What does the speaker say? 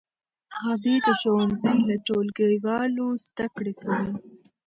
غابي د ښوونځي له ټولګیوالو زده کړې کوي.